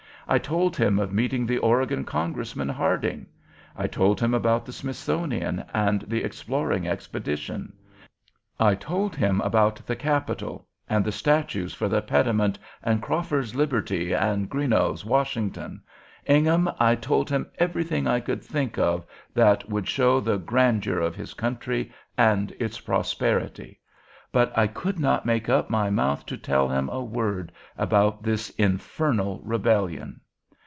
I told him of meeting the Oregon Congressman, Harding; I told him about the Smithsonian, and the Exploring Expedition; I told him about the Capitol, and the statues for the pediment, and Crawford's Liberty, and Greenough's Washington: Ingham, I told him everything I could think of that would show the grandeur of his country and its prosperity; but I could not make up my mouth to tell him a word about this infernal rebellion!